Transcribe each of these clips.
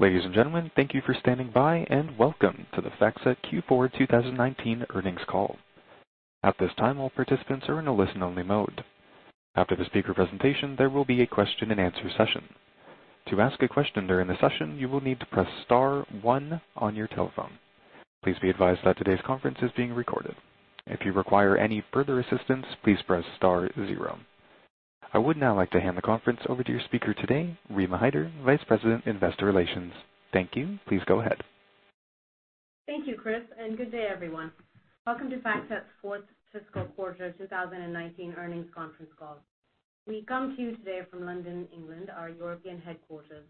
Ladies and gentlemen, thank you for standing by, and welcome to the FactSet Q4 2019 earnings call. At this time, all participants are in a listen-only mode. After the speaker presentation, there will be a question-and-answer session. To ask a question during the session, you will need to press star one on your telephone. Please be advised that today's conference is being recorded. If you require any further assistance, please press star zero. I would now like to hand the conference over to your speaker today, Rima Hyder, Vice President, Investor Relations. Thank you. Please go ahead. Thank you, Chris. Good day everyone. Welcome to FactSet's fourth fiscal quarter 2019 earnings conference call. We come to you today from London, England, our European headquarters.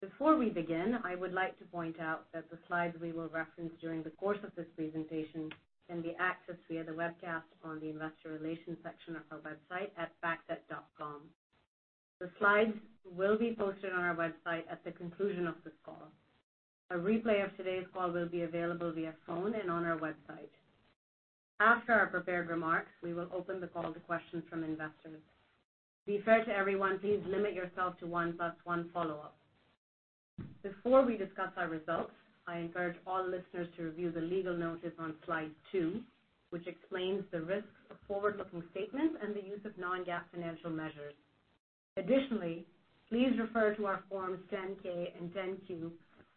Before we begin, I would like to point out that the slides we will reference during the course of this presentation can be accessed via the webcast on the Investor Relations section of our website at factset.com. The slides will be posted on our website at the conclusion of this call. A replay of today's call will be available via phone and on our website. After our prepared remarks, we will open the call to questions from investors. To be fair to everyone, please limit yourself to one, plus one follow-up. Before we discuss our results, I encourage all listeners to review the legal notice on slide two, which explains the risks of forward-looking statements, and the use of non-GAAP financial measures. Additionally, please refer to our Forms 10-K and 10-Q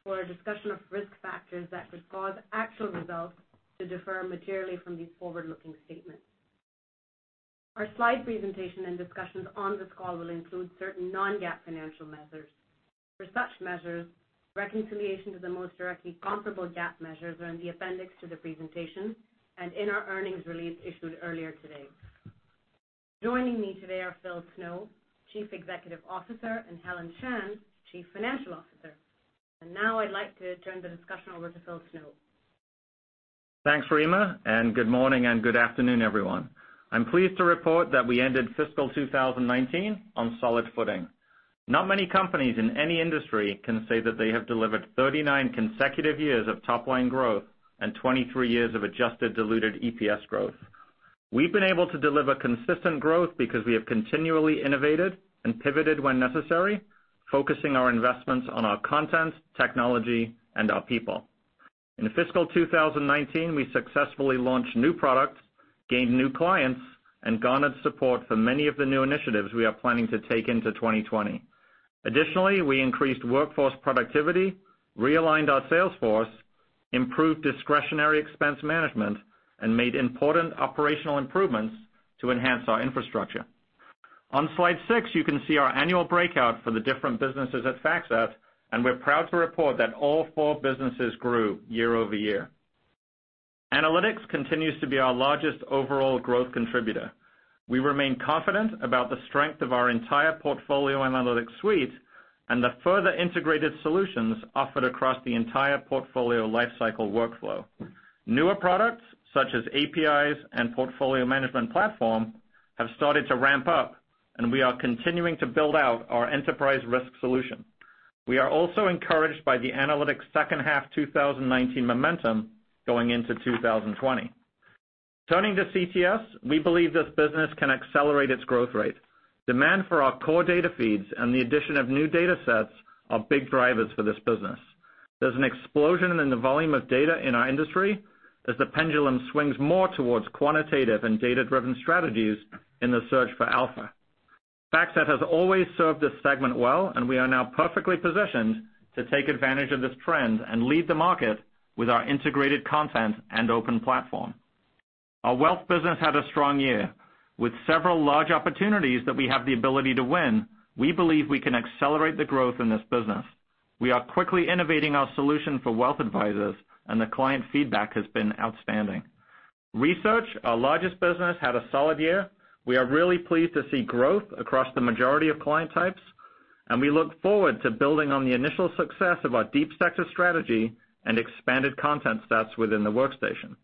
for a discussion of risk factors that could cause actual results to differ materially from these forward-looking statements. Our slide presentation and discussions on this call will include certain non-GAAP financial measures. For such measures, reconciliation to the most directly comparable GAAP measures are in the appendix to the presentation, and in our earnings release issued earlier today. Joining me today are Phil Snow, Chief Executive Officer, and Helen Shan, Chief Financial Officer. Now I'd like to turn the discussion over to Phil Snow. Thanks, Rima, and good morning and good afternoon, everyone. I'm pleased to report that we ended fiscal 2019 on solid footing. Not many companies in any industry can say that they have delivered 39 consecutive years of top-line growth and 23 years of adjusted diluted EPS growth. We've been able to deliver consistent growth because we have continually innovated and pivoted when necessary, focusing our investments on our content, technology, and our people. In fiscal 2019, we successfully launched new products, gained new clients, and garnered support for many of the new initiatives we are planning to take into 2020. Additionally, we increased workforce productivity, realigned our sales force, improved discretionary expense management, and made important operational improvements to enhance our infrastructure. On slide six, you can see our annual breakout for the different businesses at FactSet, and we're proud to report that all four businesses grew year-over-year. Analytics continues to be our largest overall growth contributor. We remain confident about the strength of our entire portfolio and analytics suite, and the further integrated solutions offered across the entire portfolio lifecycle workflow. Newer products, such as APIs and portfolio management platform, have started to ramp up, and we are continuing to build out our enterprise risk solution. We are also encouraged by the Analytics' second half 2019 momentum going into 2020. Turning to CTS, we believe this business can accelerate its growth rate. Demand for our core data feeds and the addition of new data sets are big drivers for this business. There's an explosion in the volume of data in our industry as the pendulum swings more towards quantitative and data-driven strategies in the search for alpha. FactSet has always served this segment well, and we are now perfectly positioned to take advantage of this trend and lead the market with our integrated content and open platform. Our wealth business had a strong year. With several large opportunities that we have the ability to win, we believe we can accelerate the growth in this business. We are quickly innovating our solution for wealth advisors, and the client feedback has been outstanding. Research, our largest business, had a solid year. We are really pleased to see growth across the majority of client types, and we look forward to building on the initial success of our Deep Sector strategy and expanded content sets within the workstation.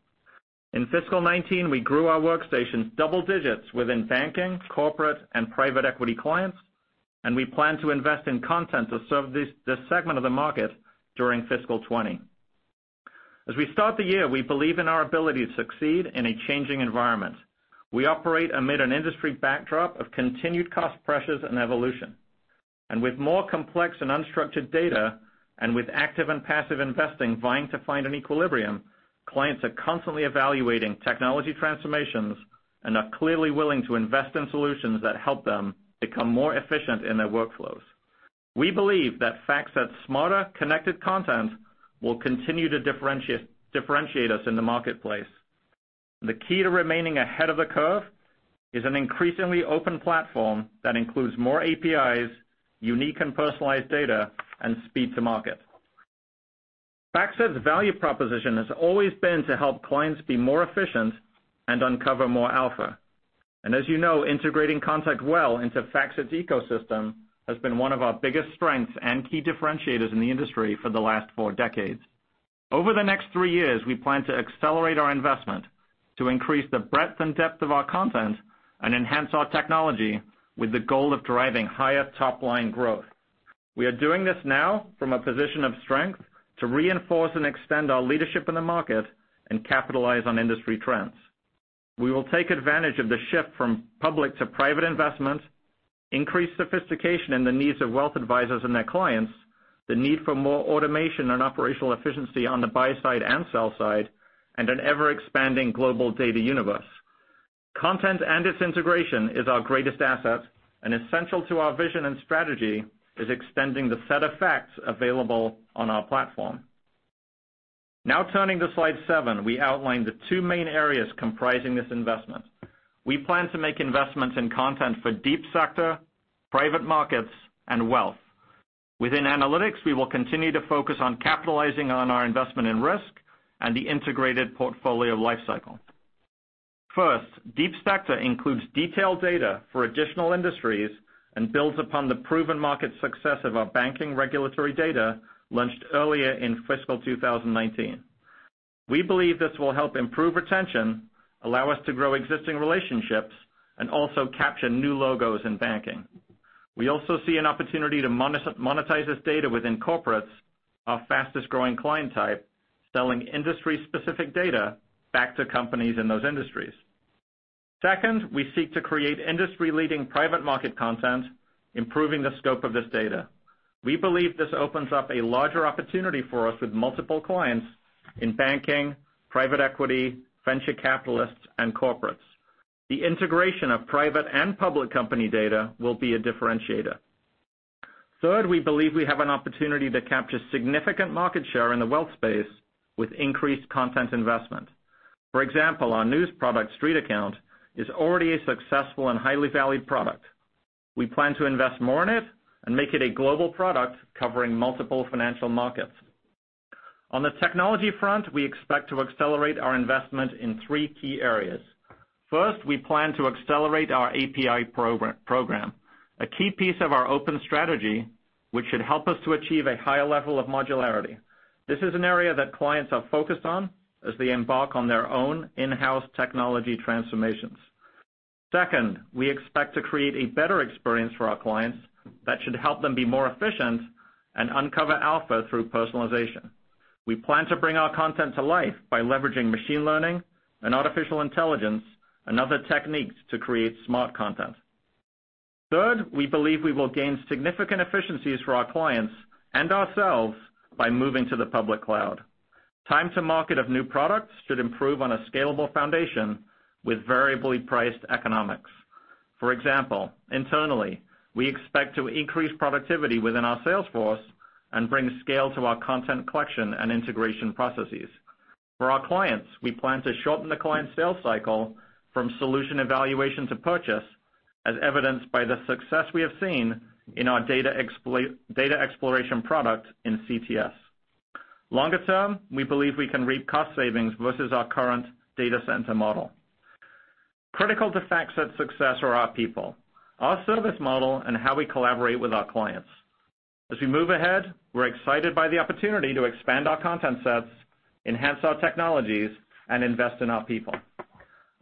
In fiscal 2019, we grew our workstations double digits within banking, corporate, and private equity clients, and we plan to invest in content to serve this segment of the market during fiscal 2020. As we start the year, we believe in our ability to succeed in a changing environment. We operate amid an industry backdrop of continued cost pressures and evolution. With more complex and unstructured data, and with active and passive investing vying to find an equilibrium, clients are constantly evaluating technology transformations and are clearly willing to invest in solutions that help them become more efficient in their workflows. We believe that FactSet's smarter, connected content will continue to differentiate us in the marketplace. The key to remaining ahead of the curve is an increasingly open platform that includes more APIs, unique and personalized data, and speed to market. FactSet's value proposition has always been to help clients be more efficient and uncover more alpha. As you know, integrating content well into FactSet's ecosystem has been one of our biggest strengths and key differentiators in the industry for the last four decades. Over the next three years, we plan to accelerate our investment to increase the breadth and depth of our content and enhance our technology with the goal of driving higher top-line growth. We are doing this now from a position of strength to reinforce and extend our leadership in the market and capitalize on industry trends. We will take advantage of the shift from public to private investment, increase sophistication in the needs of wealth advisors and their clients, the need for more automation and operational efficiency on the buy side and sell side, and an ever-expanding global data universe. Content and its integration is our greatest asset. Essential to our vision and strategy is extending the FactSet's available on our platform. Turning to slide seven, we outline the two main areas comprising this investment. We plan to make investments in content for Deep Sector, private markets, and wealth. Within analytics, we will continue to focus on capitalizing on our investment in risk and the integrated portfolio life cycle. First, Deep Sector includes detailed data for additional industries and builds upon the proven market success of our banking regulatory data launched earlier in fiscal 2019. We believe this will help improve retention, allow us to grow existing relationships, and also capture new logos in banking. We also see an opportunity to monetize this data within corporates, our fastest-growing client type, selling industry-specific data back to companies in those industries. Second, we seek to create industry-leading private market content, improving the scope of this data. We believe this opens up a larger opportunity for us with multiple clients in banking, private equity, venture capitalists, and corporates. The integration of private and public company data will be a differentiator. Third, we believe we have an opportunity to capture significant market share in the wealth space with increased content investment. For example, our news product, StreetAccount, is already a successful and highly valued product. We plan to invest more in it and make it a global product covering multiple financial markets. On the technology front, we expect to accelerate our investment in three key areas. First, we plan to accelerate our API program. A key piece of our open strategy, which should help us to achieve a higher level of modularity. This is an area that clients are focused on as they embark on their own in-house technology transformations. Second, we expect to create a better experience for our clients that should help them be more efficient and uncover alpha through personalization. We plan to bring our content to life by leveraging machine learning and artificial intelligence and other techniques to create smart content. Third, we believe we will gain significant efficiencies for our clients and ourselves by moving to the public cloud. Time to market of new products should improve on a scalable foundation with variably priced economics. For example, internally, we expect to increase productivity within our sales force and bring scale to our content collection and integration processes. For our clients, we plan to shorten the client sales cycle from solution evaluation to purchase, as evidenced by the success we have seen in our data exploration product in CTS. Longer term, we believe we can reap cost savings versus our current data center model. Critical to FactSet's success are our people, our service model, and how we collaborate with our clients. As we move ahead, we're excited by the opportunity to expand our content sets, enhance our technologies, and invest in our people.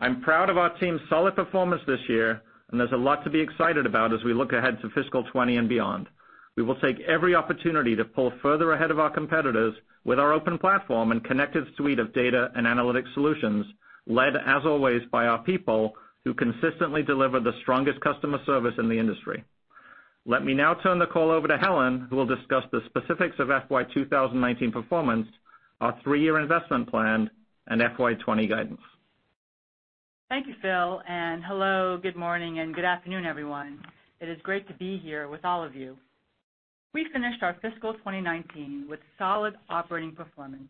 I'm proud of our team's solid performance this year, and there's a lot to be excited about as we look ahead to fiscal 2020 and beyond. We will take every opportunity to pull further ahead of our competitors with our open platform and connected suite of data and analytic solutions, led, as always, by our people, who consistently deliver the strongest customer service in the industry. Let me now turn the call over to Helen, who will discuss the specifics of FY 2019 performance, our three-year investment plan, and FY 2020 guidance. Thank you, Phil, and hello, good morning, and good afternoon, everyone. It is great to be here with all of you. We finished our fiscal 2019 with solid operating performance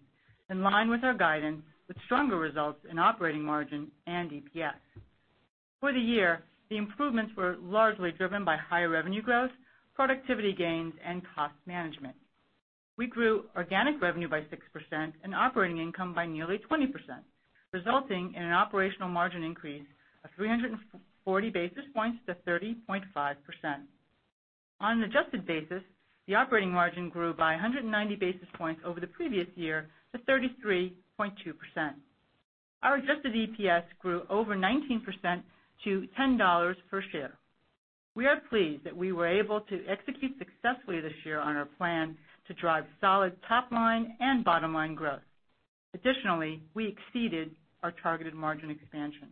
in line with our guidance with stronger results in operating margin and EPS. For the year, the improvements were largely driven by higher revenue growth, productivity gains, and cost management. We grew organic revenue by 6% and operating income by nearly 20%, resulting in an operational margin increase of 340 basis points to 30.5%. On an adjusted basis, the operating margin grew by 190 basis points over the previous year to 33.2%. Our adjusted EPS grew over 19% to $10 per share. We are pleased that we were able to execute successfully this year on our plan to drive solid top-line and bottom-line growth. Additionally, we exceeded our targeted margin expansion.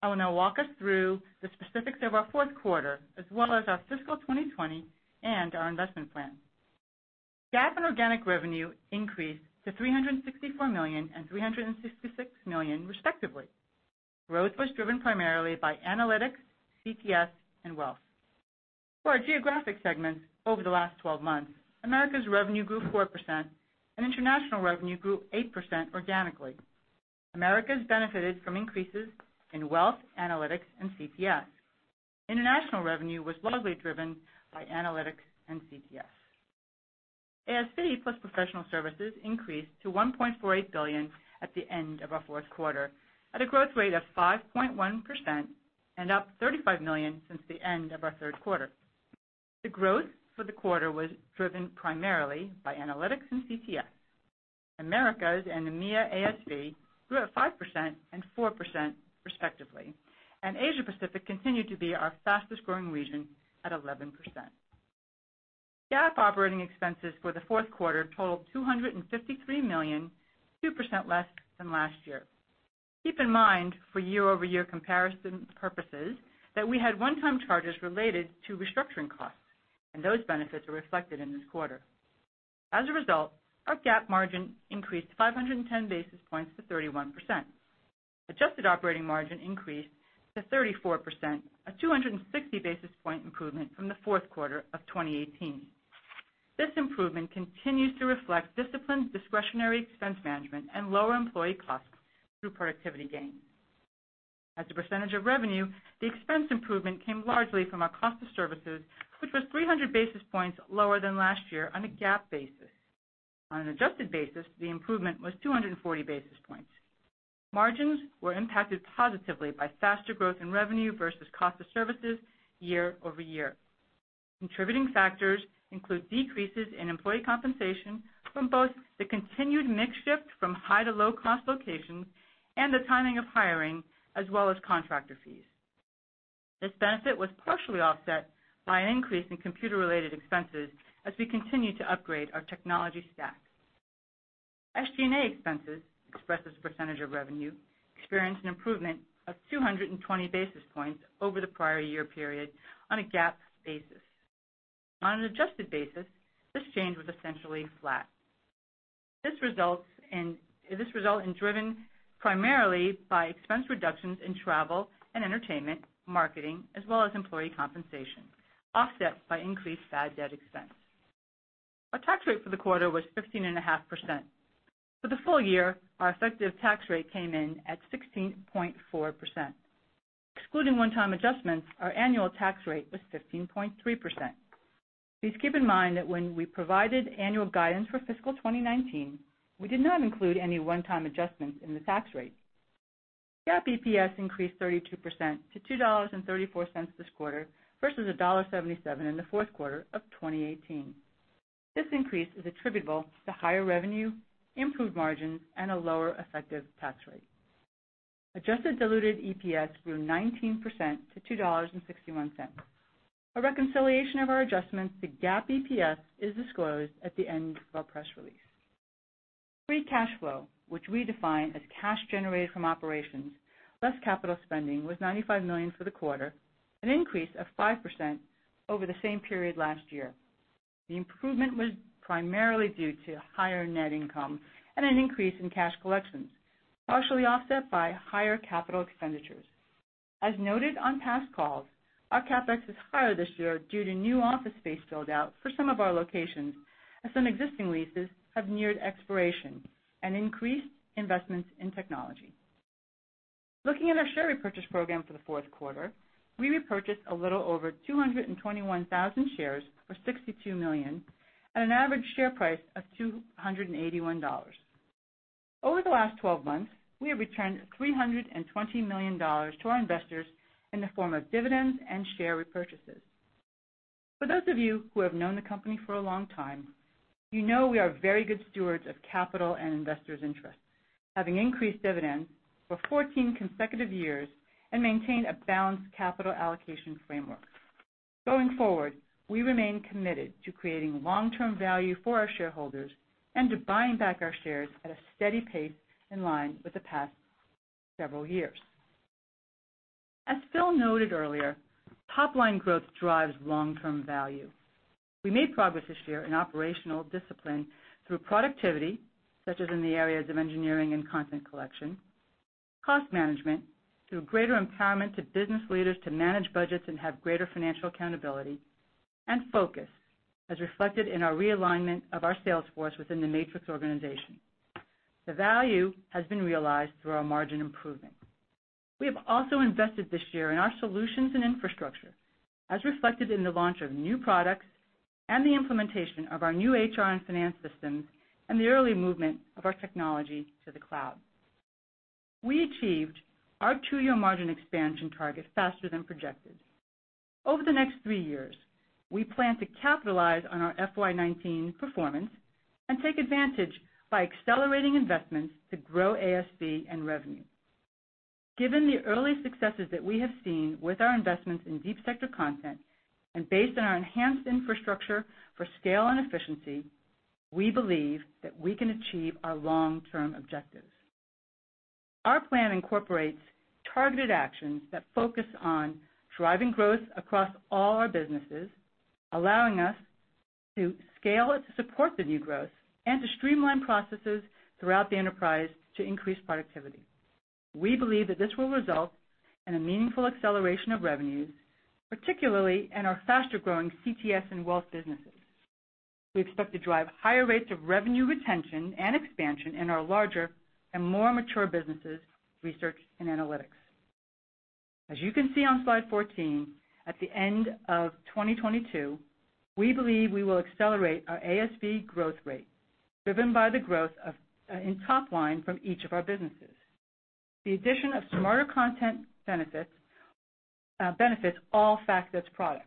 I will now walk us through the specifics of our fourth quarter as well as our fiscal 2020 and our investment plan. GAAP and organic revenue increased to $364 million and $366 million, respectively. Growth was driven primarily by analytics, CTS, and wealth. For our geographic segments over the last 12 months, Americas revenue grew 4% and international revenue grew 8% organically. Americas benefited from increases in wealth, analytics, and CTS. International revenue was largely driven by analytics and CTS. ASV plus professional services increased to $1.48 billion at the end of our fourth quarter, at a growth rate of 5.1% and up $35 million since the end of our third quarter. The growth for the quarter was driven primarily by analytics and CTS. Americas and EMEA ASV grew at 5% and 4%, respectively. Asia Pacific continued to be our fastest-growing region at 11%. GAAP operating expenses for the fourth quarter totaled $253 million, 2% less than last year. Keep in mind, for year-over-year comparison purposes, that we had one-time charges related to restructuring costs, and those benefits are reflected in this quarter. As a result, our GAAP margin increased 510 basis points to 31%. Adjusted operating margin increased to 34%, a 260 basis point improvement from the fourth quarter of 2018. This improvement continues to reflect disciplined discretionary expense management and lower employee costs through productivity gains. As a percentage of revenue, the expense improvement came largely from our cost of services, which was 300 basis points lower than last year on a GAAP basis. On an adjusted basis, the improvement was 240 basis points. Margins were impacted positively by faster growth in revenue versus cost of services year-over-year. Contributing factors include decreases in employee compensation from both the continued mix shift from high to low-cost locations and the timing of hiring, as well as contractor fees. This benefit was partially offset by an increase in computer-related expenses as we continue to upgrade our technology stack. SG&A expenses, expressed as a percentage of revenue, experienced an improvement of 220 basis points over the prior year period on a GAAP basis. On an adjusted basis, this change was essentially flat. This result is driven primarily by expense reductions in travel and entertainment, marketing, as well as employee compensation, offset by increased bad debt expense. Our tax rate for the quarter was 15.5%. For the full year, our effective tax rate came in at 16.4%. Excluding one-time adjustments, our annual tax rate was 15.3%. Please keep in mind that when we provided annual guidance for fiscal 2019, we did not include any one-time adjustments in the tax rate. GAAP EPS increased 32% to $2.34 this quarter versus $1.77 in the fourth quarter of 2018. This increase is attributable to higher revenue, improved margins, and a lower effective tax rate. Adjusted diluted EPS grew 19% to $2.61. A reconciliation of our adjustments to GAAP EPS is disclosed at the end of our press release. Free cash flow, which we define as cash generated from operations less capital spending, was $95 million for the quarter, an increase of 5% over the same period last year. The improvement was primarily due to higher net income and an increase in cash collections, partially offset by higher capital expenditures. As noted on past calls, our CapEx is higher this year due to new office space build-out for some of our locations, as some existing leases have neared expiration and increased investments in technology. Looking at our share repurchase program for the fourth quarter, we repurchased a little over 221,000 shares, or $62 million, at an average share price of $281. Over the last 12 months, we have returned $320 million to our investors in the form of dividends and share repurchases. For those of you who have known the company for a long time, you know we are very good stewards of capital and investors' interests, having increased dividends for 14 consecutive years and maintained a balanced capital allocation framework. Going forward, we remain committed to creating long-term value for our shareholders and to buying back our shares at a steady pace in line with the past several years. As Phil noted earlier, top-line growth drives long-term value. We made progress this year in operational discipline through productivity, such as in the areas of engineering and content collection, cost management, through greater empowerment to business leaders to manage budgets and have greater financial accountability, and focus, as reflected in our realignment of our sales force within the matrix organization. The value has been realized through our margin improving. We have also invested this year in our solutions and infrastructure, as reflected in the launch of new products and the implementation of our new HR and finance systems and the early movement of our technology to the cloud. We achieved our two-year margin expansion target faster than projected. Over the next three years, we plan to capitalize on our FY 2019 performance and take advantage by accelerating investments to grow ASV and revenue. Given the early successes that we have seen with our investments in Deep Sector content and based on our enhanced infrastructure for scale and efficiency, we believe that we can achieve our long-term objectives. Our plan incorporates targeted actions that focus on driving growth across all our businesses, allowing us to scale it to support the new growth and to streamline processes throughout the enterprise to increase productivity. We believe that this will result in a meaningful acceleration of revenues, particularly in our faster-growing CTS and wealth businesses. We expect to drive higher rates of revenue retention and expansion in our larger and more mature businesses, research and analytics. As you can see on slide 14, at the end of 2022, we believe we will accelerate our ASV growth rate, driven by the growth in top line from each of our businesses. The addition of smarter content benefits all FactSet products.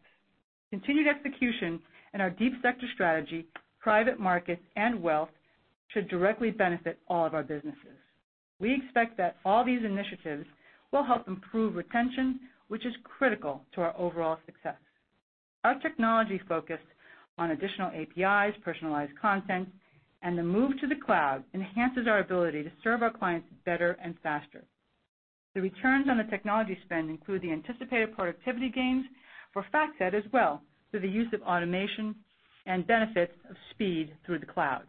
Continued execution in our Deep Sector strategy, private markets, and wealth should directly benefit all of our businesses. We expect that all these initiatives will help improve retention, which is critical to our overall success. Our technology focus on additional APIs, personalized content, and the move to the cloud enhances our ability to serve our clients better and faster. The returns on the technology spend include the anticipated productivity gains for FactSet as well, through the use of automation and benefits of speed through the cloud.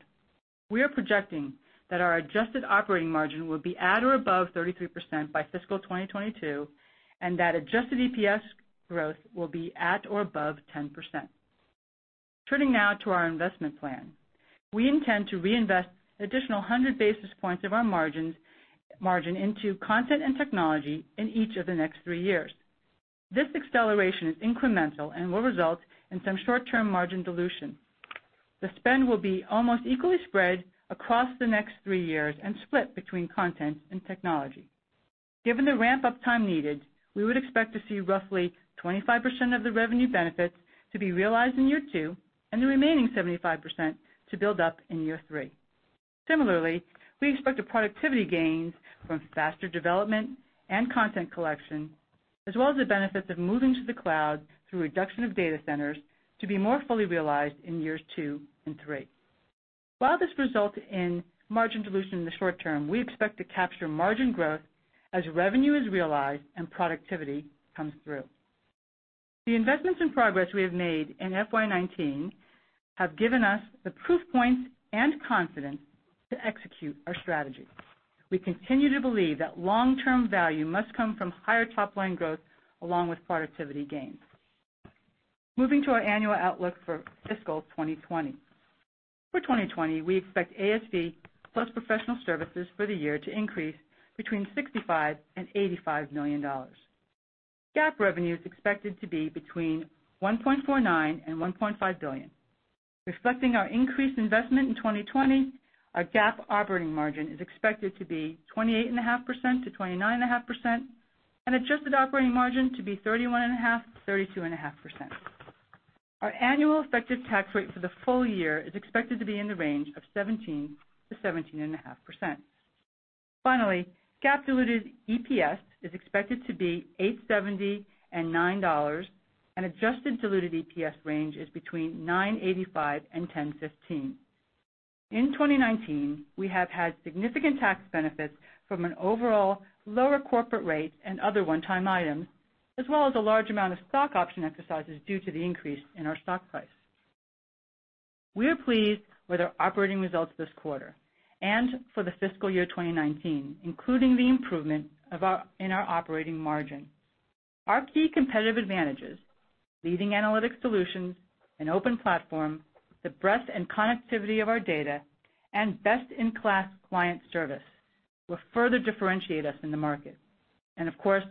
We are projecting that our adjusted operating margin will be at or above 33% by fiscal 2022, and that adjusted EPS growth will be at or above 10%. Turning now to our investment plan. We intend to reinvest additional 100 basis points of our margin into content and technology in each of the next three years. This acceleration is incremental and will result in some short-term margin dilution. The spend will be almost equally spread across the next 3 years and split between content and technology. Given the ramp-up time needed, we would expect to see roughly 25% of the revenue benefits to be realized in year 2, and the remaining 75% to build up in year 3. Similarly, we expect the productivity gains from faster development and content collection, as well as the benefits of moving to the cloud through reduction of data centers to be more fully realized in years 2 and 3. While this results in margin dilution in the short term, we expect to capture margin growth as revenue is realized and productivity comes through. The investments and progress we have made in FY 2019 have given us the proof points and confidence to execute our strategy. We continue to believe that long-term value must come from higher top-line growth along with productivity gains. Moving to our annual outlook for fiscal 2020. For 2020, we expect ASV plus professional services for the year to increase between $65 million and $85 million. GAAP revenue is expected to be between $1.49 billion and $1.5 billion. Reflecting our increased investment in 2020, our GAAP operating margin is expected to be 28.5%-29.5%, and adjusted operating margin to be 31.5%-32.5%. Our annual effective tax rate for the full year is expected to be in the range of 17%-17.5%. Finally, GAAP diluted EPS is expected to be $8.70 and $9, and adjusted diluted EPS range is between $9.85 and $10.15. In 2019, we have had significant tax benefits from an overall lower corporate rate and other one-time items, as well as a large amount of stock option exercises due to the increase in our stock price. We are pleased with our operating results this quarter and for the fiscal year 2019, including the improvement in our operating margin. Our key competitive advantages, leading analytic solutions, an open platform, the breadth and connectivity of our data, and best-in-class client service, will further differentiate us in the market. Of course,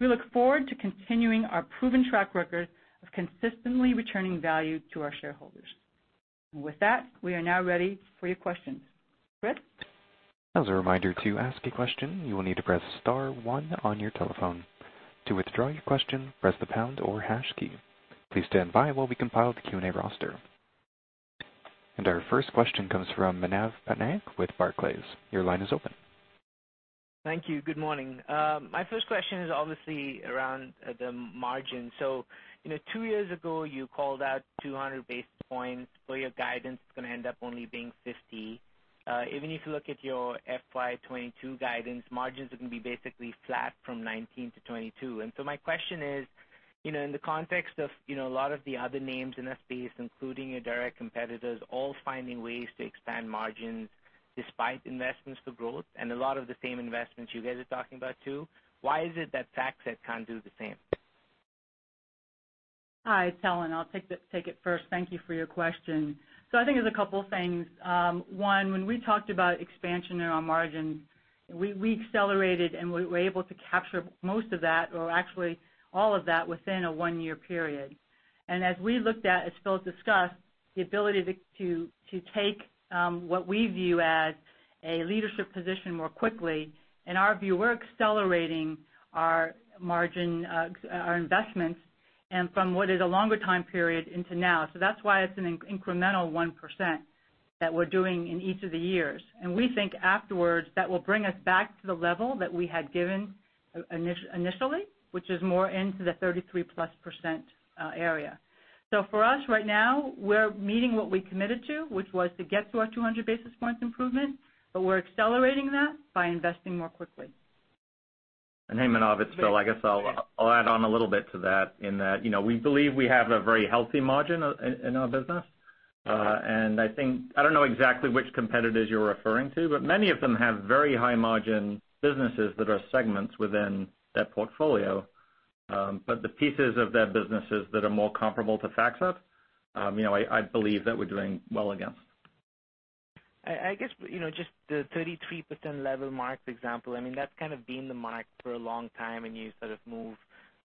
we look forward to continuing our proven track record of consistently returning value to our shareholders. With that, we are now ready for your questions. [Fred?] As a reminder, to ask a question, you will need to press star 1 on your telephone. To withdraw your question, press the pound or hash key. Please stand by while we compile the Q&A roster. Our first question comes from Manav Patnaik with Barclays. Your line is open. Thank you. Good morning. My first question is obviously around the margin. Two years ago, you called out 200 basis points for your guidance. It's going to end up only being 50. Even if you look at your FY 2022 guidance, margins are going to be basically flat from 2019 to 2022. My question is, in the context of a lot of the other names in our space, including your direct competitors, all finding ways to expand margins despite investments for growth, and a lot of the same investments you guys are talking about too, why is it that FactSet can't do the same? Hi, it's Helen. I'll take it first. Thank you for your question. I think there's a couple things. One, when we talked about expansion in our margin, we accelerated, and we were able to capture most of that, or actually all of that, within a one-year period. As we looked at, as Phil discussed, the ability to take what we view as a leadership position more quickly, in our view, we're accelerating our margin, our investments, and from what is a longer time period into now. That's why it's an incremental 1% that we're doing in each of the years. We think afterwards that will bring us back to the level that we had given initially, which is more into the 33+% area. For us right now, we're meeting what we committed to, which was to get to our 200 basis points improvement, but we're accelerating that by investing more quickly. Hey, Manav, it's Phil. I guess I'll add on a little bit to that in that we believe we have a very healthy margin in our business. I don't know exactly which competitors you're referring to, but many of them have very high margin businesses that are segments within their portfolio. The pieces of their businesses that are more comparable to FactSet, I believe that we're doing well against. I guess, just the 33% level mark, for example, I mean, that's kind of been the mark for a long time. You sort of move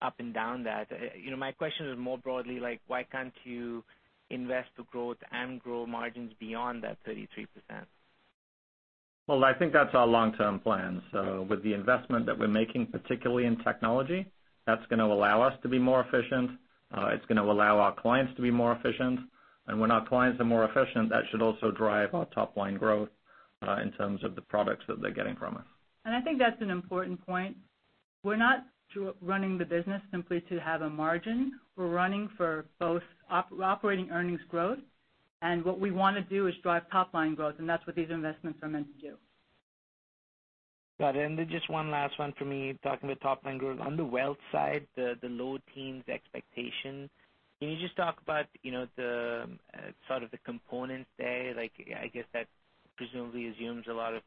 up and down that. My question is more broadly, why can't you invest to growth and grow margins beyond that 33%? I think that's our long-term plan. With the investment that we're making, particularly in technology, that's going to allow us to be more efficient. It's going to allow our clients to be more efficient. And when our clients are more efficient, that should also drive our top-line growth in terms of the products that they're getting from us. I think that's an important point. We're not running the business simply to have a margin. We're running for both operating earnings growth. What we want to do is drive top-line growth, and that's what these investments are meant to do. Got it. Just one last one for me, talking about top-line growth. On the wealth side, the low teens expectation, can you just talk about the component there? I guess that presumably assumes a lot of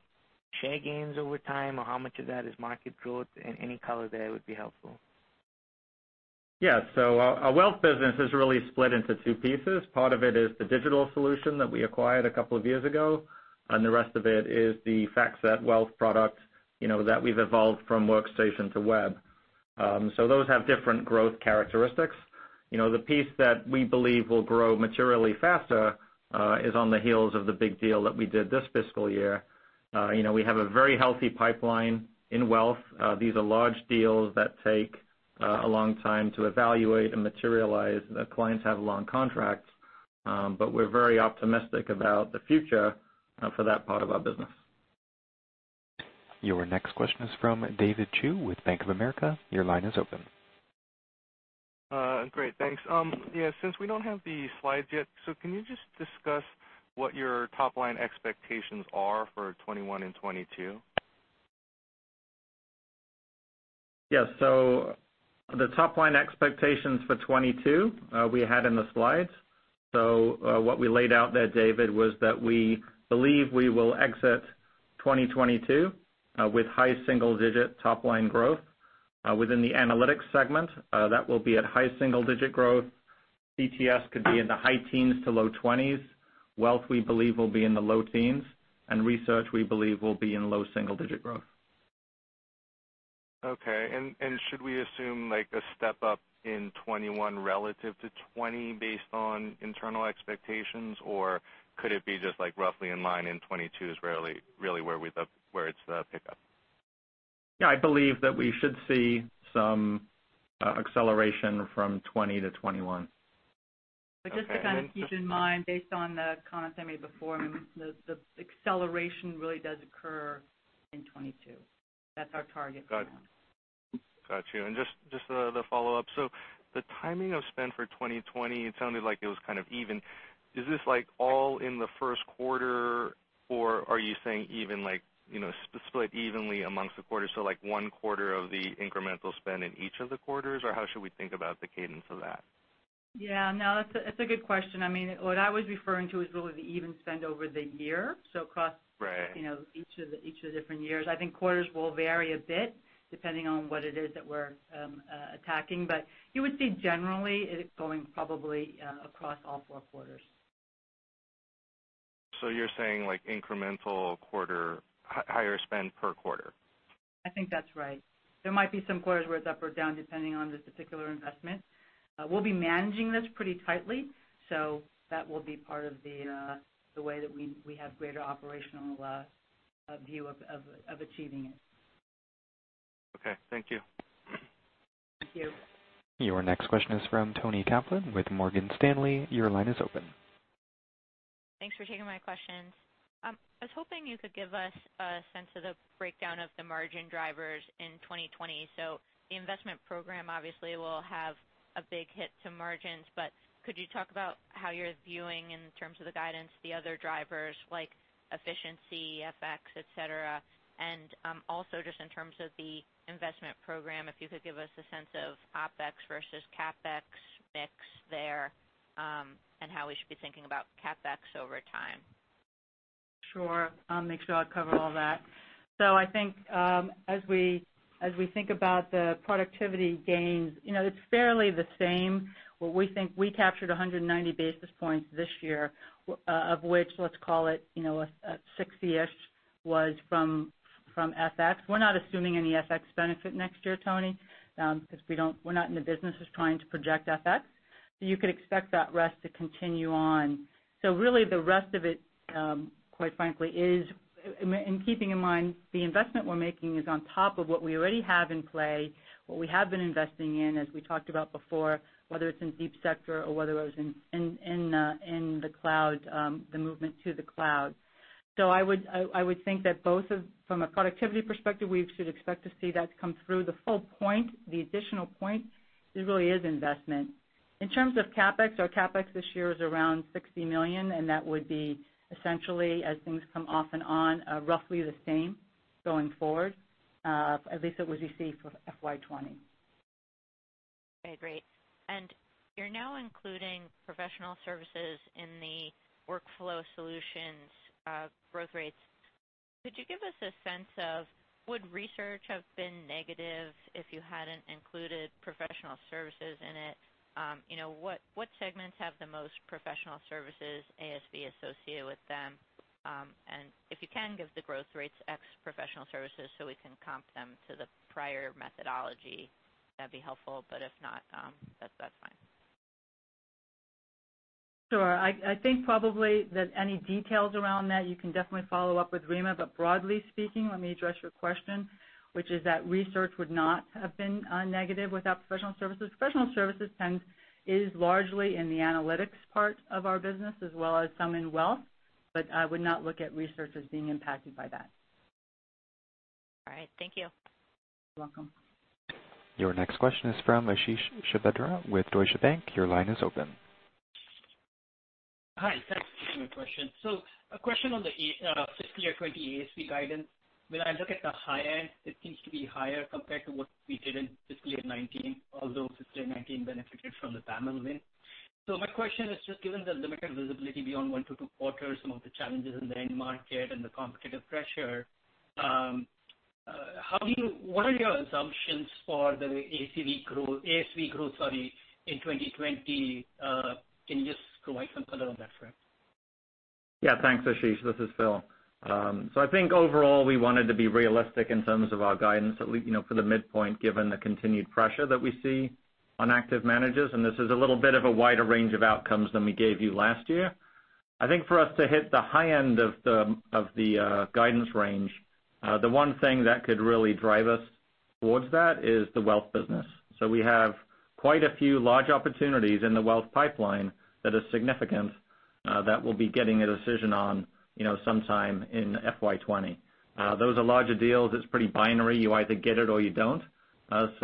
share gains over time, or how much of that is market growth, and any color there would be helpful. Yeah. Our wealth business is really split into two pieces. Part of it is the digital solution that we acquired a couple of years ago, and the rest of it is the FactSet Wealth product that we've evolved from workstation to web. Those have different growth characteristics. The piece that we believe will grow materially faster is on the heels of the big deal that we did this fiscal year. We have a very healthy pipeline in wealth. These are large deals that take a long time to evaluate and materialize. Clients have long contracts. We're very optimistic about the future for that part of our business. Your next question is from David Chu with Bank of America. Your line is open. Great. Thanks. Yeah, since we don't have the slides yet, can you just discuss what your top-line expectations are for 2021 and 2022? The top line expectations for 2022, we had in the slides. What we laid out there, David, was that we believe we will exit 2022 with high single-digit top line growth. Within the Analytics segment, that will be at high single-digit growth. CTS could be in the high teens to low twenties. Wealth, we believe, will be in the low teens, and Research, we believe, will be in low single-digit growth. Okay, should we assume like a step-up in 2021 relative to 2020 based on internal expectations, or could it be just roughly in line in 2022 is really where it's the pickup? Yeah, I believe that we should see some acceleration from 2020 to 2021. Just to kind of keep in mind, based on the comments I made before, the acceleration really does occur in 2022. That's our target for now. Got you. Just the follow-up. The timing of spend for 2020, it sounded like it was kind of even. Is this all in the first quarter, or are you saying even split evenly amongst the quarters, so one quarter of the incremental spend in each of the quarters? How should we think about the cadence of that? Yeah, no, that's a good question. What I was referring to is really the even spend over the year. Right each of the different years. I think quarters will vary a bit depending on what it is that we're attacking. You would see generally it going probably across all four quarters. You're saying like incremental quarter, higher spend per quarter? I think that's right. There might be some quarters where it's up or down depending on the particular investment. We'll be managing this pretty tightly, so that will be part of the way that we have greater operational view of achieving it. Okay. Thank you. Thank you. Your next question is from Toni Kaplan with Morgan Stanley. Your line is open. Thanks for taking my questions. I was hoping you could give us a sense of the breakdown of the margin drivers in 2020. The investment program obviously will have a big hit to margins, but could you talk about how you're viewing, in terms of the guidance, the other drivers like efficiency, FX, et cetera? Also just in terms of the investment program, if you could give us a sense of OpEx versus CapEx mix there, and how we should be thinking about CapEx over time. Sure. I'll make sure I cover all that. I think as we think about the productivity gains, it's fairly the same. We think we captured 190 basis points this year, of which, let's call it, 60-ish was from FX. We're not assuming any FX benefit next year, Toni because we're not in the business of trying to project FX. You could expect that rest to continue on. Really the rest of it, quite frankly, is and keeping in mind, the investment we're making is on top of what we already have in play, what we have been investing in, as we talked about before, whether it's in Deep Sector or whether it was in the movement to the cloud. I would think that both from a productivity perspective, we should expect to see that come through. The full point, the additional point, it really is investment. In terms of CapEx, our CapEx this year is around $60 million, and that would be essentially, as things come off and on, roughly the same going forward, at least it was received for FY 2020. Okay, great. You're now including professional services in the workflow solutions growth rates. Could you give us a sense of would research have been negative if you hadn't included professional services in it? What segments have the most professional services ASV associated with them? If you can give the growth rates ex-professional services so we can comp them to the prior methodology, that'd be helpful. If not, that's fine. Sure. I think probably that any details around that, you can definitely follow up with Rima. Broadly speaking, let me address your question, which is that research would not have been negative without professional services. Professional services is largely in the analytics part of our business, as well as some in wealth, but I would not look at research as being impacted by that. All right. Thank you. You're welcome. Your next question is from Ashish Sabadra with Deutsche Bank. Your line is open. Hi. Thanks for taking my question. A question on the fiscal year 2020 ASV guidance. When I look at the high end, it seems to be higher compared to what we did in fiscal year 2019, although fiscal year 2019 benefited from the win. My question is just given the limited visibility beyond one to two quarters, some of the challenges in the end market and the competitive pressure, what are your assumptions for the ASV growth, sorry, in 2020? Can you just provide some color on that front? Yeah. Thanks, Ashish. This is Phil. I think overall, we wanted to be realistic in terms of our guidance, at least for the midpoint, given the continued pressure that we see on active managers, and this is a little bit of a wider range of outcomes than we gave you last year. I think for us to hit the high end of the guidance range, the one thing that could really drive us towards that is the wealth business. We have quite a few large opportunities in the wealth pipeline that are significant, that we'll be getting a decision on sometime in FY 2020. Those are larger deals. It's pretty binary. You either get it or you don't. Those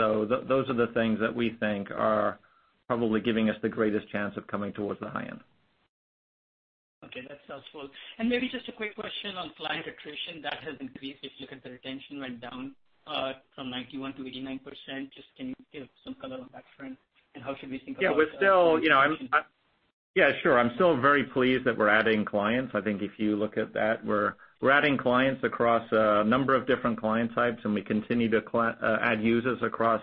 are the things that we think are probably giving us the greatest chance of coming towards the high end. Okay. That's helpful. Maybe just a quick question on client attrition that has increased if you look at the retention went down from 91% to 89%. Just can you give some color on that front and how should we think about? Yeah. Sure. I'm still very pleased that we're adding clients. I think if you look at that, we're adding clients across a number of different client types, and we continue to add users across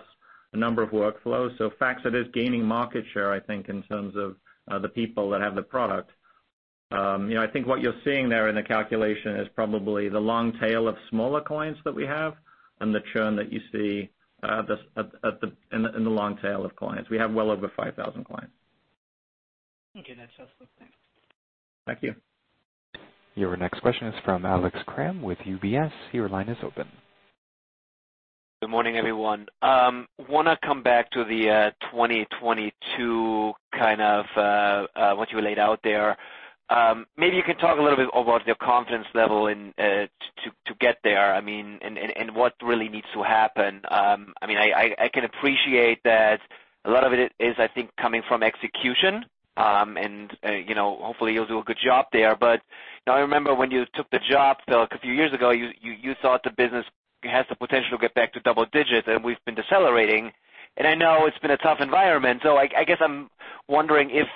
a number of workflows. FactSet is gaining market share, I think, in terms of the people that have the product. I think what you're seeing there in the calculation is probably the long tail of smaller clients that we have and the churn that you see in the long tail of clients. We have well over 5,000 clients. Okay. That's helpful. Thanks. Thank you. Your next question is from Alex Kramm with UBS. Your line is open. Good morning, everyone. Want to come back to the 2022 kind of, what you laid out there. Maybe you can talk a little bit about your confidence level to get there, and what really needs to happen. I can appreciate that a lot of it is, I think, coming from execution. Hopefully, you'll do a good job there. Now I remember when you took the job, Phil, a few years ago, you thought the business has the potential to get back to double digits, and we've been decelerating. I know it's been a tough environment. I guess I'm wondering if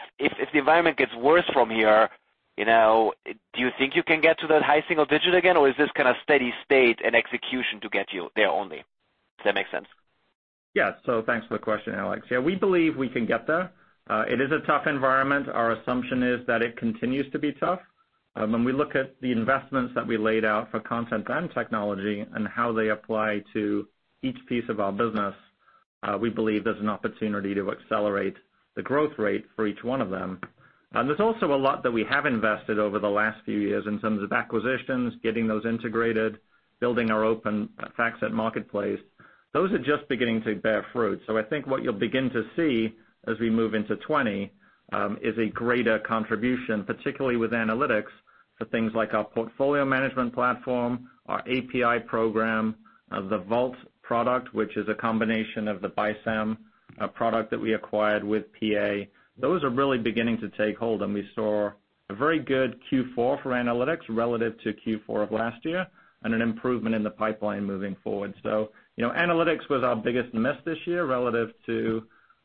the environment gets worse from here, do you think you can get to that high single digit again, or is this kind of steady state and execution to get you there only? Does that make sense? Thanks for the question, Alex. We believe we can get there. It is a tough environment. Our assumption is that it continues to be tough. When we look at the investments that we laid out for content and technology and how they apply to each piece of our business, we believe there's an opportunity to accelerate the growth rate for each one of them. There's also a lot that we have invested over the last few years in terms of acquisitions, getting those integrated, building our Open:FactSet marketplace. Those are just beginning to bear fruit. I think what you'll begin to see as we move into 2020, is a greater contribution, particularly with analytics for things like our portfolio management platform, our API program, the Vault product, which is a combination of the BISAM product that we acquired with PA. Those are really beginning to take hold, and we saw a very good Q4 for analytics relative to Q4 of last year and an improvement in the pipeline moving forward. Analytics was our biggest miss this year relative to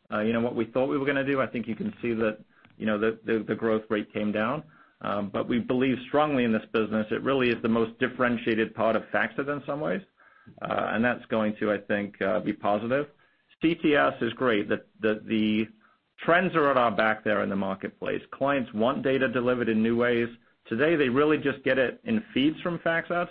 what we thought we were going to do. I think you can see that the growth rate came down. We believe strongly in this business. It really is the most differentiated part of FactSet in some ways. That's going to, I think, be positive. CTS is great. The trends are at our back there in the marketplace. Clients want data delivered in new ways. Today, they really just get it in feeds from FactSet.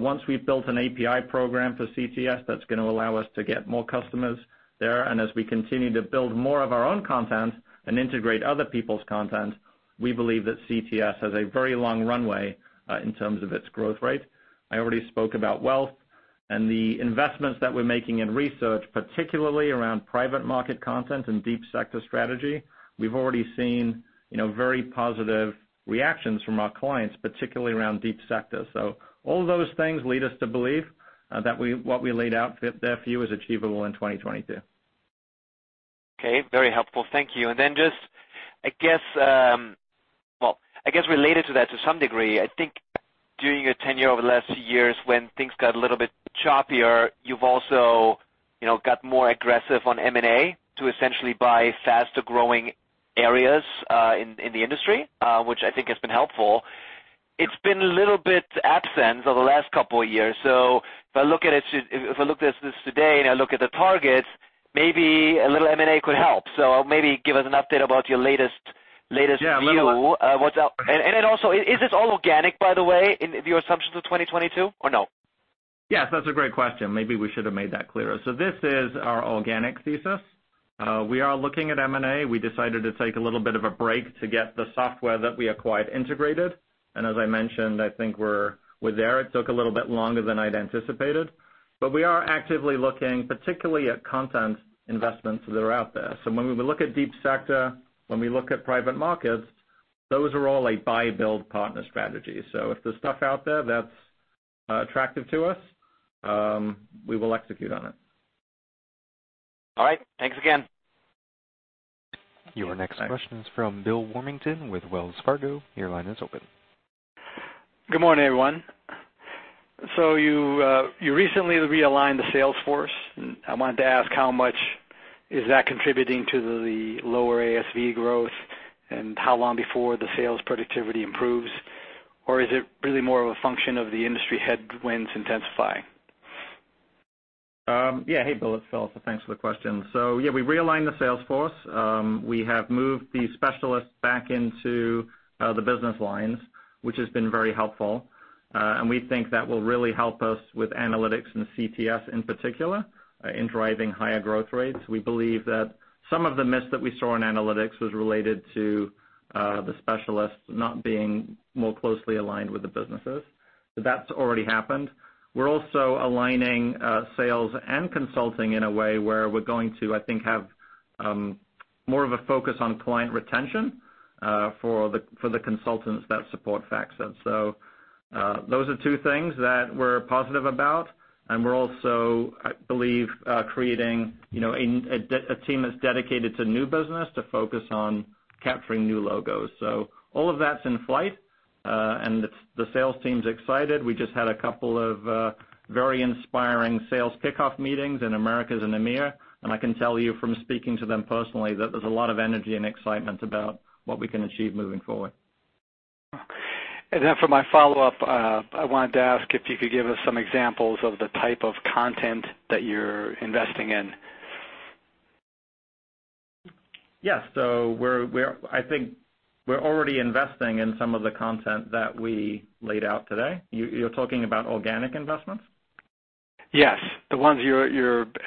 Once we've built an API program for CTS, that's going to allow us to get more customers there. As we continue to build more of our own content and integrate other people's content, we believe that CTS has a very long runway in terms of its growth rate. I already spoke about Wealth and the investments that we're making in research, particularly around private market content and Deep Sector strategy. We've already seen very positive reactions from our clients, particularly around Deep Sector. All those things lead us to believe that what we laid out there for you is achievable in 2022. Okay. Very helpful. Thank you. Then just, I guess related to that to some degree, I think during your tenure over the last few years when things got a little bit choppier, you've also got more aggressive on M&A to essentially buy faster-growing areas, in the industry, which I think has been helpful. It's been a little bit absent over the last couple of years. If I look at this today and I look at the targets, maybe a little M&A could help. Maybe give us an update about your latest view? Yeah. What's up. Also, is this all organic, by the way, in your assumptions of 2022 or no? Yes, that's a great question. Maybe we should have made that clearer. This is our organic thesis. We are looking at M&A. We decided to take a little bit of a break to get the software that we acquired integrated. As I mentioned, I think we're there. It took a little bit longer than I'd anticipated. We are actively looking particularly at content investments that are out there. When we look at Deep Sector, when we look at private markets, those are all a buy-build-partner strategy. If there's stuff out there that's attractive to us, we will execute on it. All right. Thanks again. Your next question is from Bill Warmington with Wells Fargo. Your line is open. Good morning, everyone. You recently realigned the sales force, and I wanted to ask how much is that contributing to the lower ASV growth, and how long before the sales productivity improves, or is it really more of a function of the industry headwinds intensifying? Hey, Bill, it's Phil. Thanks for the question. We realigned the sales force. We have moved the specialists back into the business lines, which has been very helpful. We think that will really help us with analytics and CTS in particular, in driving higher growth rates. We believe that some of the miss that we saw in analytics was related to the specialists not being more closely aligned with the businesses. That's already happened. We're also aligning sales and consulting in a way where we're going to, I think, have more of a focus on client retention for the consultants that support FactSet. Those are two things that we're positive about, and we're also, I believe, creating a team that's dedicated to new business to focus on capturing new logos. All of that's in flight, and the sales team's excited. We just had a couple of very inspiring sales kickoff meetings in Americas and EMEA, and I can tell you from speaking to them personally, that there's a lot of energy and excitement about what we can achieve moving forward. Then for my follow-up, I wanted to ask if you could give us some examples of the type of content that you're investing in. Yeah. I think we're already investing in some of the content that we laid out today. You're talking about organic investments? Yes. The ones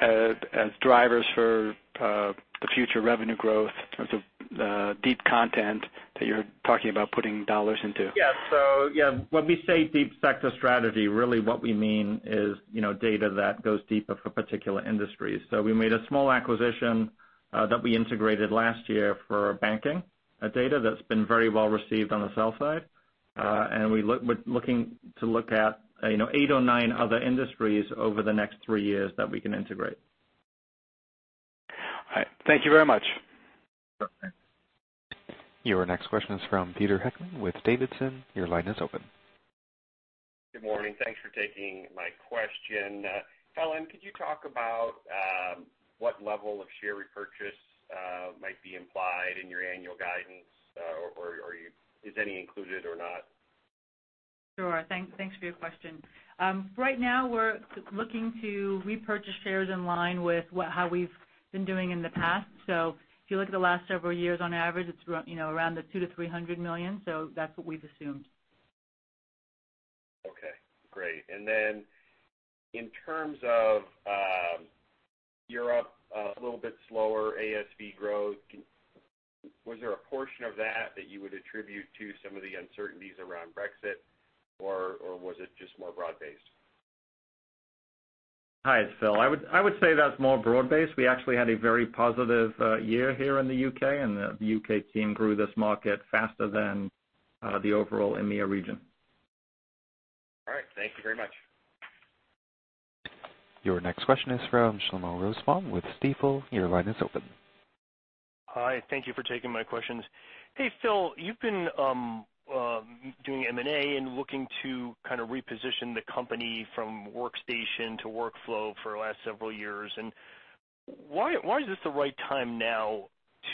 as drivers for the future revenue growth in terms of deep content that you're talking about putting dollars into. Yeah. When we say Deep Sector strategy, really what we mean is data that goes deeper for particular industries. We made a small acquisition that we integrated last year for banking, a data that's been very well received on the sell side. We're looking to look at eight or nine other industries over the next three years that we can integrate. All right. Thank you very much. Okay. Your next question is from Peter Heckmann with Davidson. Your line is open. Good morning. Thanks for taking my question. Helen, could you talk about what level of share repurchase might be implied in your annual guidance, or is any included or not? Sure. Thanks for your question. Right now, we're looking to repurchase shares in line with how we've been doing in the past. If you look at the last several years, on average, it's around the $200 million-$300 million. That's what we've assumed. Okay, great. In terms of Europe, a little bit slower ASV growth, was there a portion of that that you would attribute to some of the uncertainties around Brexit, or was it just more broad-based? Hi, it's Phil. I would say that's more broad-based. We actually had a very positive year here in the U.K., and the U.K. team grew this market faster than the overall EMEA region. All right. Thank you very much. Your next question is from Shlomo Rosenbaum with Stifel. Your line is open. Hi, thank you for taking my questions. Hey, Phil, you've been doing M&A and looking to kind of reposition the company from workstation to workflow for the last several years. Why is this the right time now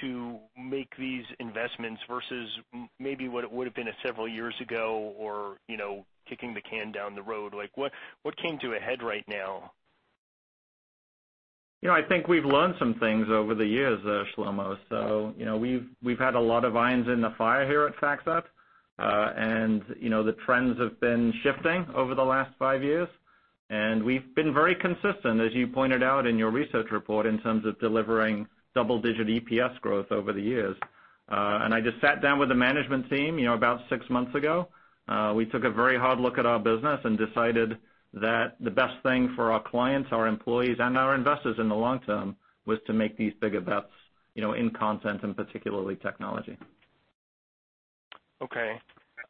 to make these investments versus maybe what it would've been several years ago or kicking the can down the road? What came to a head right now? I think we've learned some things over the years, Shlomo. We've had a lot of irons in the fire here at FactSet. The trends have been shifting over the last five years, and we've been very consistent, as you pointed out in your research report, in terms of delivering double-digit EPS growth over the years. I just sat down with the management team about six months ago. We took a very hard look at our business and decided that the best thing for our clients, our employees, and our investors in the long term was to make these bigger bets in content and particularly technology. Okay.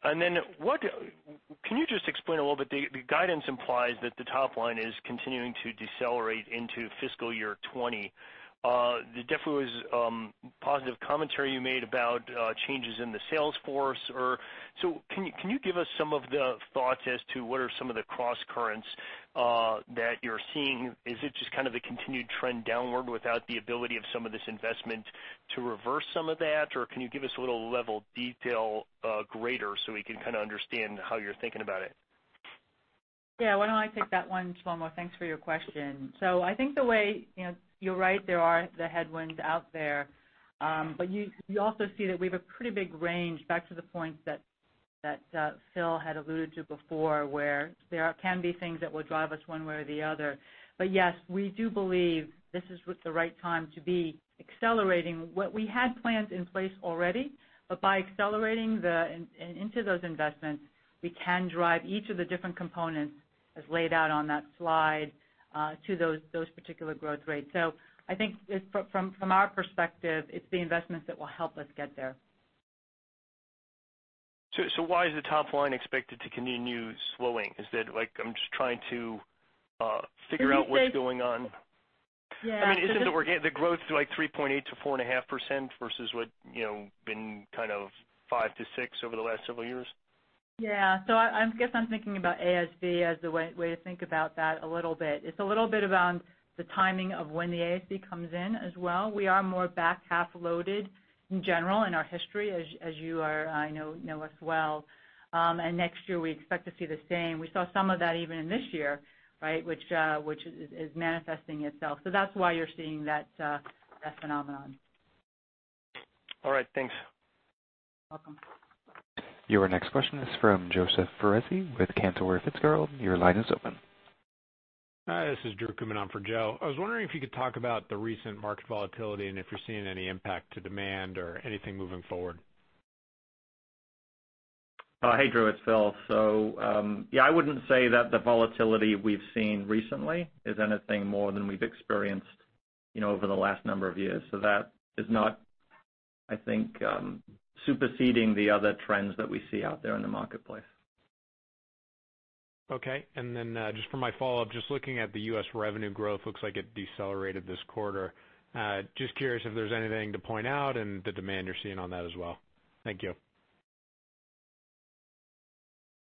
Can you just explain a little bit, the guidance implies that the top line is continuing to decelerate into fiscal year 2020. There definitely was positive commentary you made about changes in the sales force. Can you give us some of the thoughts as to what are some of the crosscurrents that you're seeing? Is it just kind of the continued trend downward without the ability of some of this investment to reverse some of that, or can you give us a little level detail greater so we can kind of understand how you're thinking about it? Yeah. Why don't I take that one, Shlomo? Thanks for your question. I think you're right, there are the headwinds out there. You also see that we have a pretty big range back to the point that Phil had alluded to before, where there can be things that will drive us one way or the other. Yes, we do believe this is the right time to be accelerating what we had planned in place already. By accelerating into those investments, we can drive each of the different components as laid out on that slide to those particular growth rates. I think from our perspective, it's the investments that will help us get there. Why is the top line expected to continue slowing? I'm just trying to figure out what's going on. Yeah. Isn't it we're getting the growth to 3.8%-4.5% versus what been kind of 5%-6% over the last several years? Yeah. I guess I'm thinking about ASV as the way to think about that a little bit. It's a little bit around the timing of when the ASV comes in as well. We are more back-half loaded in general in our history, as you, I know us well. Next year, we expect to see the same. We saw some of that even in this year, which is manifesting itself. That's why you're seeing that phenomenon. All right. Thanks. You're welcome. Your next question is from Joseph Foresi with Cantor Fitzgerald. Your line is open. Hi, this is Drew coming on for Joe. I was wondering if you could talk about the recent market volatility and if you're seeing any impact to demand or anything moving forward. Hey, Drew, it's Phil. Yeah, I wouldn't say that the volatility we've seen recently is anything more than we've experienced over the last number of years. That is not, I think, superseding the other trends that we see out there in the marketplace. Okay. Just for my follow-up, just looking at the U.S. revenue growth, looks like it decelerated this quarter. Just curious if there's anything to point out in the demand you're seeing on that as well. Thank you.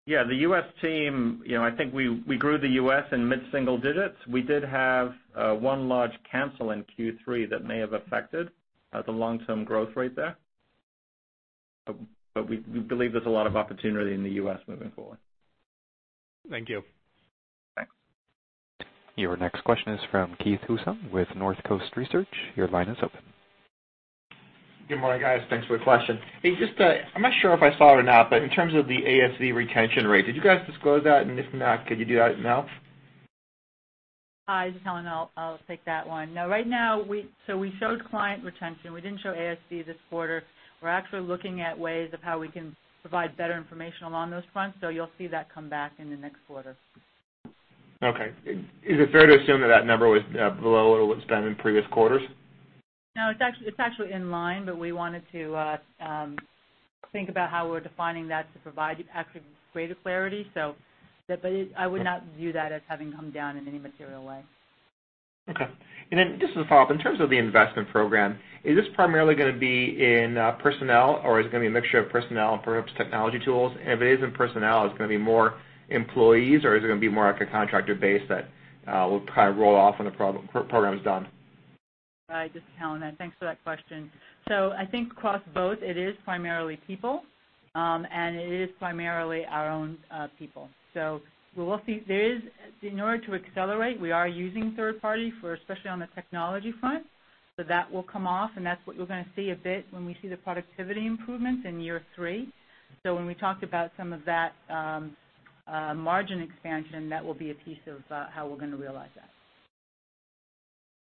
Yeah. The U.S. team, I think we grew the U.S. in mid-single digits. We did have one large cancel in Q3 that may have affected the long-term growth rate there. We believe there's a lot of opportunity in the U.S. moving forward. Thank you. Thanks. Your next question is from Keith Housum with Northcoast Research. Your line is open. Good morning, guys. Thanks for the question. Hey, I'm not sure if I saw it or not, but in terms of the ASV retention rate, did you guys disclose that? If not, could you do that now? Hi, this is Helen. I'll take that one. No. We showed client retention. We didn't show ASV this quarter. We're actually looking at ways of how we can provide better information along those fronts. You'll see that come back in the next quarter. Okay. Is it fair to assume that that number was below what it's been in previous quarters? No, it's actually in line, but we wanted to think about how we're defining that to provide you actually greater clarity. I would not view that as having come down in any material way. Okay. Just as a follow-up, in terms of the investment program, is this primarily going to be in personnel, or is it going to be a mixture of personnel and perhaps technology tools? If it is in personnel, is it going to be more employees, or is it going to be more like a contractor base that will probably roll off when the program's done? Hi, this is Helen. Thanks for that question. I think across both, it is primarily people, and it is primarily our own people. In order to accelerate, we are using third party, especially on the technology front. That will come off, and that's what you're going to see a bit when we see the productivity improvements in year three. When we talked about some of that margin expansion, that will be a piece of how we're going to realize that.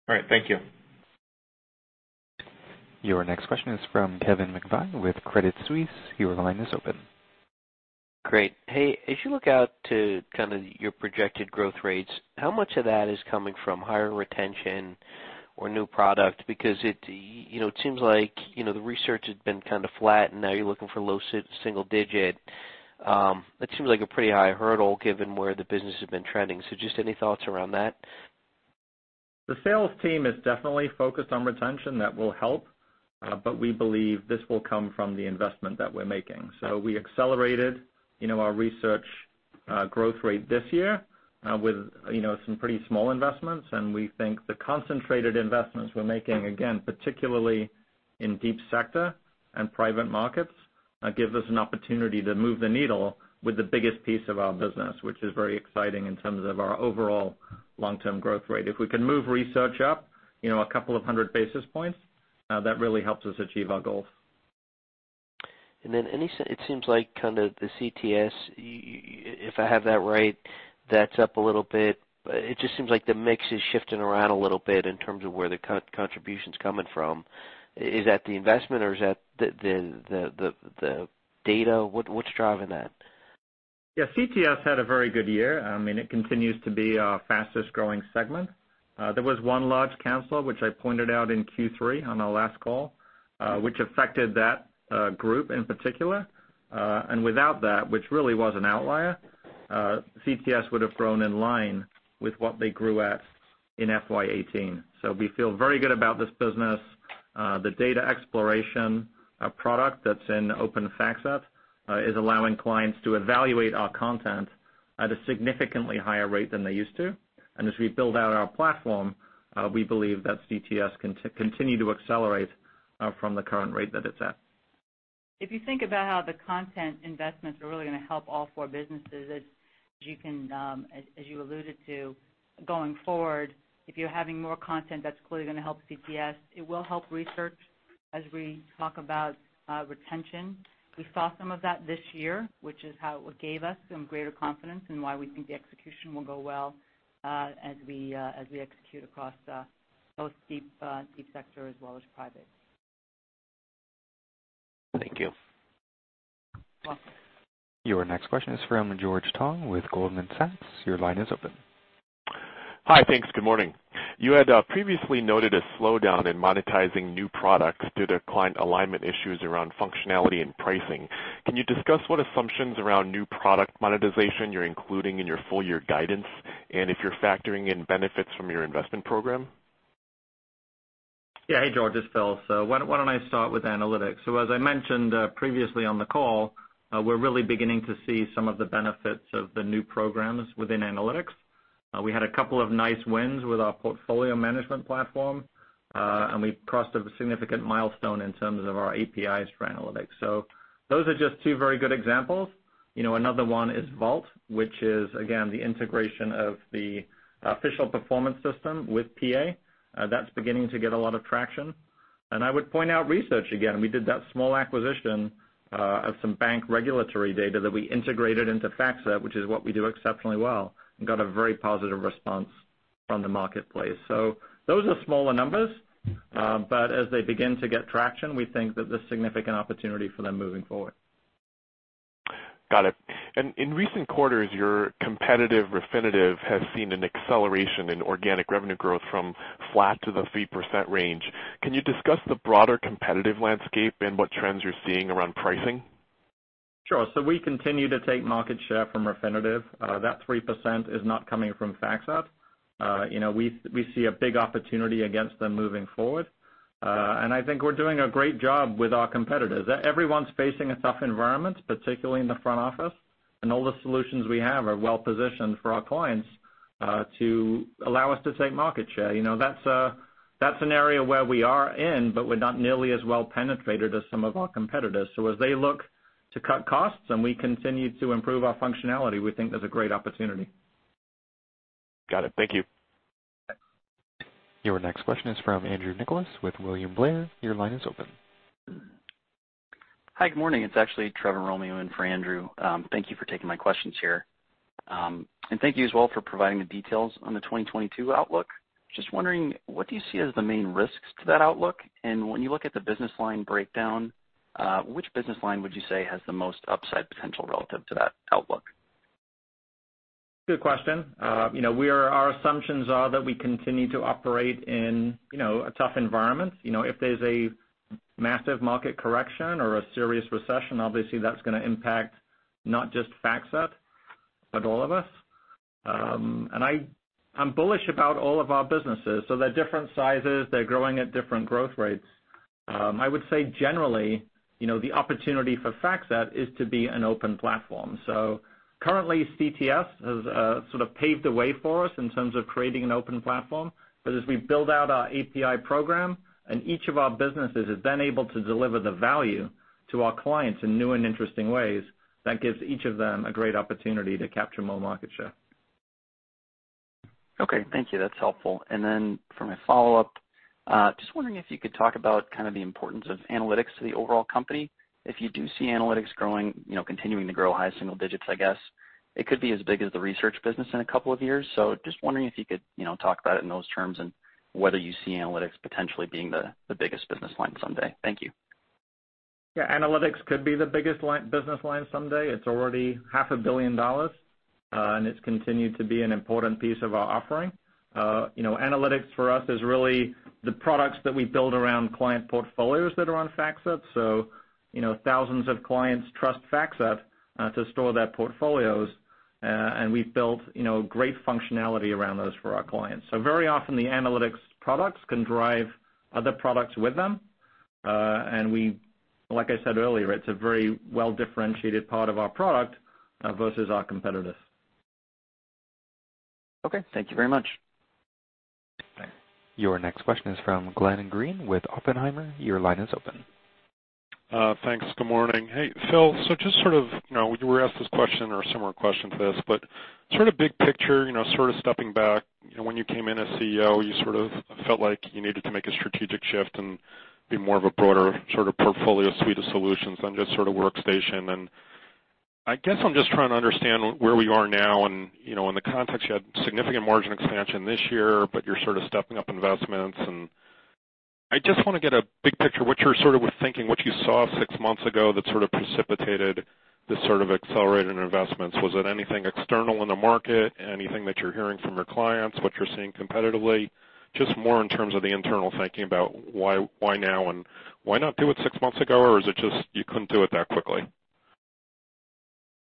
All right. Thank you. Your next question is from Kevin McVeigh with Credit Suisse. Your line is open. Great. Hey, as you look out to kind of your projected growth rates, how much of that is coming from higher retention or new product? It seems like the research has been kind of flat, and now you're looking for low single digit. It seems like a pretty high hurdle given where the business has been trending. Just any thoughts around that? The sales team is definitely focused on retention. That will help. We believe this will come from the investment that we're making. We accelerated our research growth rate this year with some pretty small investments, and we think the concentrated investments we're making, again, particularly in Deep Sector and private markets, give us an opportunity to move the needle with the biggest piece of our business, which is very exciting in terms of our overall long-term growth rate. If we can move research up a couple of hundred basis points, that really helps us achieve our goals. It seems like kind of the CTS, if I have that right, that's up a little bit. It just seems like the mix is shifting around a little bit in terms of where the contribution's coming from. Is that the investment, or is that the data? What's driving that? Yeah. CTS had a very good year, and it continues to be our fastest-growing segment. There was one large cancel, which I pointed out in Q3 on our last call, which affected that group in particular. Without that, which really was an outlier, CTS would have grown in line with what they grew at in FY 2018. We feel very good about this business. The data exploration product that's in Open:FactSet is allowing clients to evaluate our content at a significantly higher rate than they used to. As we build out our platform, we believe that CTS can continue to accelerate from the current rate that it's at. If you think about how the content investments are really going to help all four businesses, as you alluded to, going forward, if you're having more content, that's clearly going to help CTS. It will help research as we talk about retention. We saw some of that this year, which is how it gave us some greater confidence in why we think the execution will go well as we execute across both Deep Sector as well as private. Thank you. You're welcome. Your next question is from George Tong with Goldman Sachs. Your line is open. Hi. Thanks. Good morning. You had previously noted a slowdown in monetizing new products due to client alignment issues around functionality and pricing. Can you discuss what assumptions around new product monetization you're including in your full year guidance, and if you're factoring in benefits from your investment program? Yeah. Hey, George, it's Phil. Why don't I start with analytics? As I mentioned previously on the call, we're really beginning to see some of the benefits of the new programs within analytics. We had a couple of nice wins with our portfolio management platform, and we crossed a significant milestone in terms of our APIs for analytics. Those are just two very good examples. Another one is Vault, which is, again, the integration of the official performance system with PA. That's beginning to get a lot of traction. I would point out research again. We did that small acquisition of some bank regulatory data that we integrated into FactSet, which is what we do exceptionally well, and got a very positive response from the marketplace. Those are smaller numbers. As they begin to get traction, we think that there's significant opportunity for them moving forward. Got it. In recent quarters, your competitor, Refinitiv, has seen an acceleration in organic revenue growth from flat to the 3% range. Can you discuss the broader competitive landscape and what trends you're seeing around pricing? Sure. We continue to take market share from Refinitiv. That 3% is not coming from FactSet. We see a big opportunity against them moving forward. I think we're doing a great job with our competitors. Everyone's facing a tough environment, particularly in the front office, and all the solutions we have are well-positioned for our clients, to allow us to take market share. That's an area where we are in, but we're not nearly as well penetrated as some of our competitors. As they look to cut costs and we continue to improve our functionality, we think there's a great opportunity. Got it. Thank you. Your next question is from Andrew Nicholas with William Blair. Your line is open. Hi. Good morning. It's actually Trevor Romeo in for Andrew. Thank you for taking my questions here. Thank you as well for providing the details on the 2022 outlook. Just wondering, what do you see as the main risks to that outlook? When you look at the business line breakdown, which business line would you say has the most upside potential relative to that outlook? Good question. Our assumptions are that we continue to operate in a tough environment. If there's a massive market correction or a serious recession, obviously that's going to impact not just FactSet, but all of us. I'm bullish about all of our businesses. They're different sizes. They're growing at different growth rates. I would say generally, the opportunity for FactSet is to be an open platform. Currently, CTS has sort of paved the way for us in terms of creating an open platform. As we build out our API program and each of our businesses is then able to deliver the value to our clients in new and interesting ways, that gives each of them a great opportunity to capture more market share. Okay. Thank you. That's helpful. For my follow-up, just wondering if you could talk about kind of the importance of analytics to the overall company. If you do see analytics continuing to grow high single digits, I guess, it could be as big as the research business in a couple of years. Just wondering if you could talk about it in those terms and whether you see analytics potentially being the biggest business line someday. Thank you. Yeah. Analytics could be the biggest business line someday. It's already half a billion dollars, it's continued to be an important piece of our offering. Analytics for us is really the products that we build around client portfolios that are on FactSet. Thousands of clients trust FactSet to store their portfolios, we've built great functionality around those for our clients. Very often, the analytics products can drive other products with them. Like I said earlier, it's a very well-differentiated part of our product versus our competitors. Okay. Thank you very much. Bye. Your next question is from Glenn Greene with Oppenheimer. Your line is open. Thanks. Good morning. Hey, Phil. Just sort of, you were asked this question or a similar question to this, but sort of big picture, sort of stepping back, when you came in as CEO, you sort of felt like you needed to make a strategic shift and be more of a broader sort of portfolio suite of solutions than just sort of workstation. I guess I'm just trying to understand where we are now and in the context, you had significant margin expansion this year, but you're sort of stepping up investments, and I just want to get a big picture, what you're sort of thinking, what you saw six months ago that sort of precipitated this sort of accelerated investments. Was it anything external in the market? Anything that you're hearing from your clients? What you're seeing competitively? Just more in terms of the internal thinking about why now and why not do it six months ago? Is it just you couldn't do it that quickly?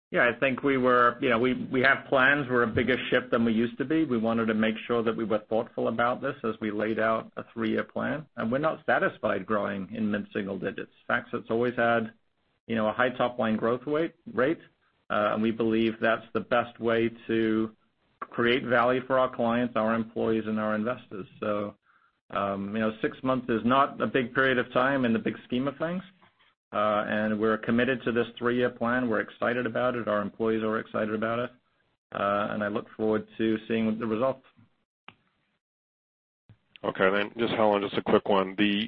Yeah, I think we have plans. We're a bigger ship than we used to be. We wanted to make sure that we were thoughtful about this as we laid out a three-year plan. We're not satisfied growing in mid-single digits. FactSet's always had a high top-line growth rate, and we believe that's the best way to create value for our clients, our employees, and our investors. Six months is not a big period of time in the big scheme of things. We're committed to this three-year plan. We're excited about it. Our employees are excited about it. I look forward to seeing the results. Okay. Just Helen, just a quick one. The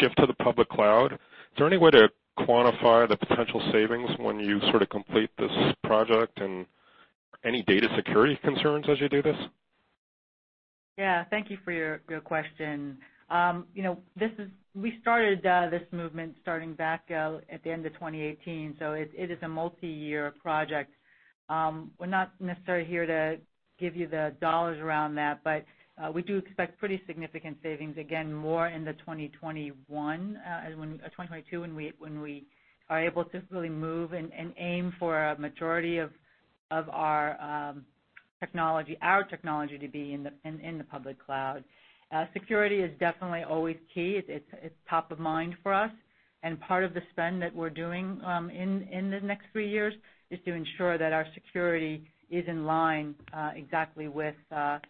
shift to the public cloud, is there any way to quantify the potential savings when you sort of complete this project, and any data security concerns as you do this? Yeah. Thank you for your question. We started this movement starting back at the end of 2018. It is a multi-year project. We're not necessarily here to give you the dollars around that. We do expect pretty significant savings, again, more in the 2021, 2022, when we are able to really move and aim for a majority of our technology to be in the public cloud. Security is definitely always key. It's top of mind for us, and part of the spend that we're doing in the next three years is to ensure that our security is in line exactly with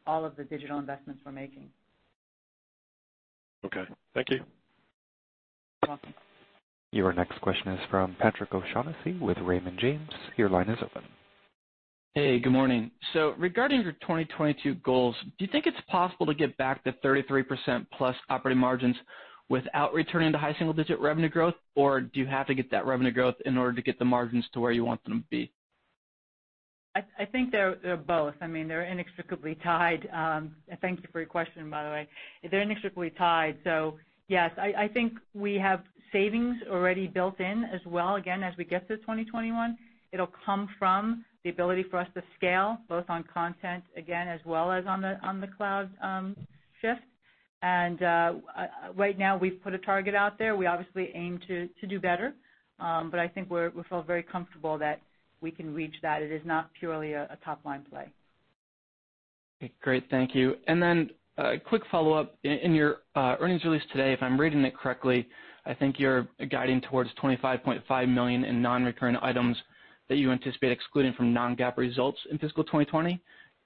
all of the digital investments we're making. Okay. Thank you. You're welcome. Your next question is from Patrick O'Shaughnessy with Raymond James. Your line is open. Hey, good morning. Regarding your 2022 goals, do you think it's possible to get back to 33%-plus operating margins without returning to high single-digit revenue growth? Do you have to get that revenue growth in order to get the margins to where you want them to be? I think they're both. They're inextricably tied. Thank you for your question, by the way. They're inextricably tied, so yes. I think we have savings already built in as well, again, as we get to 2021. It'll come from the ability for us to scale, both on content, again, as well as on the cloud shift. Right now, we've put a target out there. We obviously aim to do better. I think we feel very comfortable that we can reach that. It is not purely a top-line play. Okay. Great. Thank you. Then a quick follow-up. In your earnings release today, if I'm reading it correctly, I think you're guiding towards $25.5 million in non-recurring items that you anticipate excluding from non-GAAP results in fiscal 2020.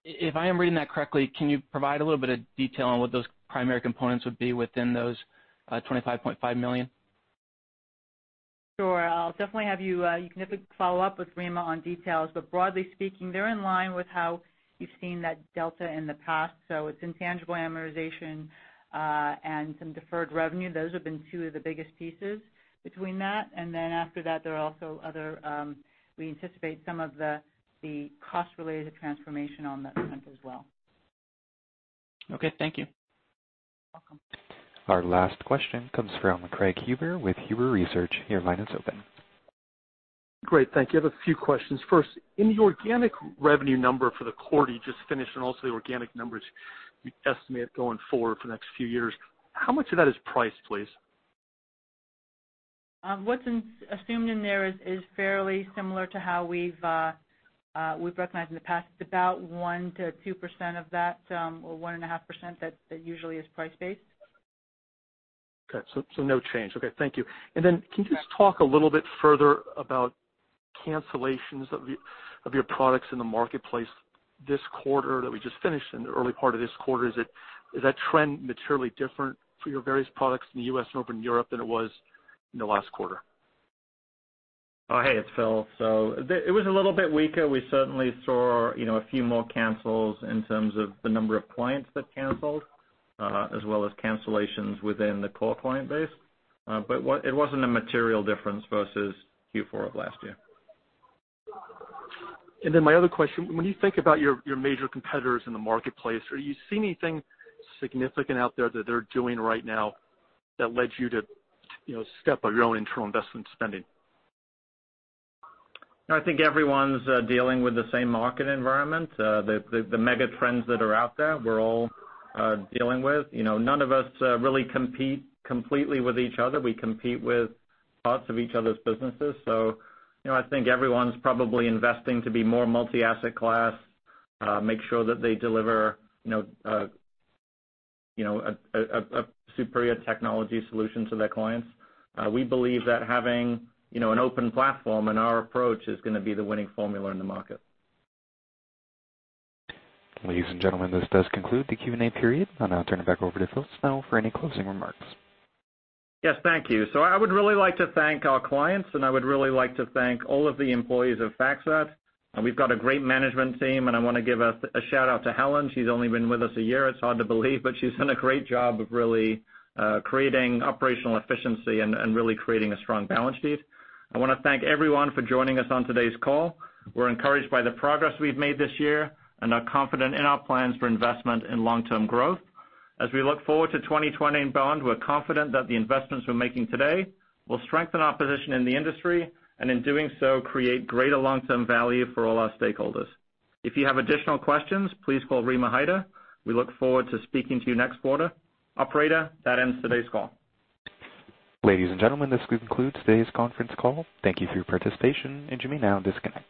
If I am reading that correctly, can you provide a little bit of detail on what those primary components would be within those $25.5 million? Sure. You can follow up with Rima on details. Broadly speaking, they're in line with how you've seen that delta in the past. It's intangible amortization, and some deferred revenue. Those have been two of the biggest pieces between that. After that, We anticipate some of the cost related to transformation on that front as well. Okay. Thank you. You're welcome. Our last question comes from Craig Huber with Huber Research. Your line is open. Great. Thank you. I have a few questions. First, in the organic revenue number for the quarter you just finished and also the organic numbers you estimate going forward for the next few years, how much of that is price, please? What's assumed in there is fairly similar to how we've recognized in the past. It's about 1%-2% of that, or 1.5% that usually is price-based. Okay, no change. Okay. Thank you. Can you just talk a little bit further about cancellations of your products in the marketplace this quarter that we just finished and the early part of this quarter? Is that trend materially different for your various products in the U.S. and Northern Europe than it was in the last quarter? Oh, hey, it's Phil. It was a little bit weaker. We certainly saw a few more cancels in terms of the number of clients that canceled, as well as cancellations within the core client base. It wasn't a material difference versus Q4 of last year. My other question, when you think about your major competitors in the marketplace, are you seeing anything significant out there that they're doing right now that led you to step up your own internal investment spending? I think everyone's dealing with the same market environment. The mega trends that are out there, we're all dealing with. None of us really compete completely with each other. We compete with parts of each other's businesses. I think everyone's probably investing to be more multi-asset class, make sure that they deliver a superior technology solution to their clients. We believe that having an open platform in our approach is going to be the winning formula in the market. Ladies and gentlemen, this does conclude the Q&A period. I'll now turn it back over to Phil Snow for any closing remarks. Yes, thank you. I would really like to thank our clients, and I would really like to thank all of the employees of FactSet. We've got a great management team, and I want to give a shout-out to Helen. She's only been with us a year. It's hard to believe, but she's done a great job of really creating operational efficiency and really creating a strong balance sheet. I want to thank everyone for joining us on today's call. We're encouraged by the progress we've made this year and are confident in our plans for investment and long-term growth. As we look forward to 2020 and beyond, we're confident that the investments we're making today will strengthen our position in the industry, and in doing so, create greater long-term value for all our stakeholders. If you have additional questions, please call Rima Hyder. We look forward to speaking to you next quarter. Operator, that ends today's call. Ladies and gentlemen, this concludes today's conference call. Thank you for your participation. You may now disconnect.